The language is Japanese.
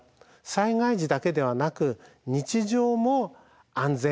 災害時だけではなく日常も安全・安心。